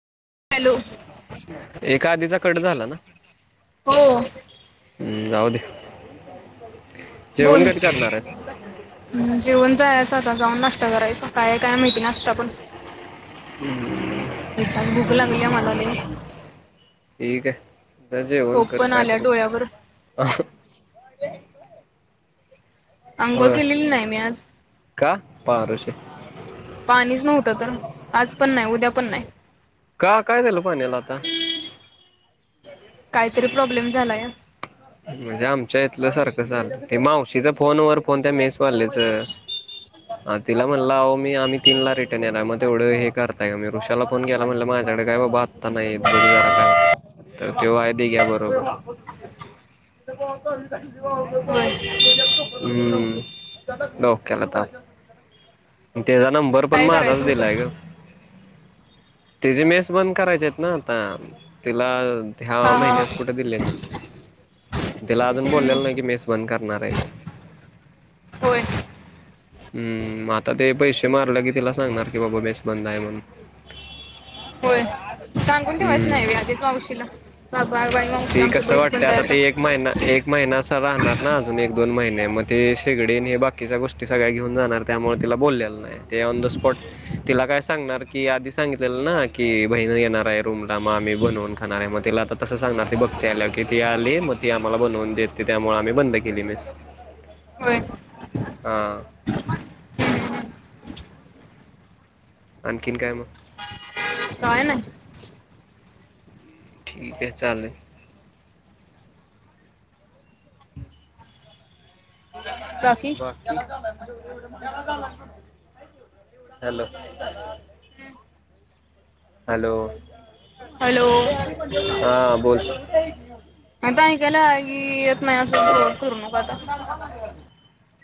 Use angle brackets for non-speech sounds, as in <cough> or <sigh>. Hello एका आधीचा cut झाला ना. हो जाऊ दे. बोल. जेवण कधी करणार आहेस हम् जेवण जायचं आता जाऊन नाश्ता करायच काय काय माहिती नाश्ता पण. भूक लागलिया मला लय. ठीक आहे जा जेवण झोप कर पण काय आल्या तर डोळ्यावर अंघोळ होय केलेली नाही मी आज. का पारोशे. पाणीच नव्हतं तर आज पण नाय उद्या पण नाय. का काय झालं पाण्याला आता? काही तरी प्रॉब्लेम झालाय. म्हणजे आमच्या इथलं सारखं झालं ते मावशीचा फोन वर फोन त्या मेस वालीच तिला म्हणल आहो मी आम्ही तीन ला रिटर्न येणार हाय मग तेवढं हे करताय काम मी रोष तेला फोन केला म्हटल माझ्याकडे काय बाबा आता नाही बघ जरा काय होतय. तर तेव आहे ते घ्या बरोबर. <unintelligible> होय हम्म डोक्याला ताप तेचा नंबर पण काय माझाच करायचं दिलाय होतं ग. तिचेे मेस बंद करायचे आहेत ना आता तिला ह्या हा हा महिन्याच कुठे दिलेल तिला अजून हम्म बोललेलं नाही कि मेस बंद करणार आहे ते. होय. हम् आता ते पैसे मारलं की तिला सांगणार की बाबा मेस बंद आहे म्हणून. होय <inaudible> सांगून ठेवायच हम्म नाही वय आधीच मावशीला बा बा बाई मग ते आमची कसं मेस वाटतं बंद आहे ते आता. एक महिना एक महिना असा राहणार ना अजून एक दोन महिने मग ते शेगडीन हे बाकीच्या गोष्टी सगळ्या घेऊन जाणार त्यामुळे तिला बोललेलं नाही ते ऑन द स्पॉट तिला काय सांगणार की आधी सांगितल ना की बहिण येणार आहे रूमला मग आम्ही बनवून खाणार आहे मग तिला आता तसं सांगणार ती बघती आल्या की ती आली मग ती आम्हाला बनवून देते त्यामुळे आम्ही बंद केली मेस. <unintelligible> हा. आणखीन काय म? काय नाय. ठीक आहे चालेल बाकी? हॅलो. हॅलो हॅलो हा बोल. अता आयकायल येत नाही करू नको आता. <inaudible>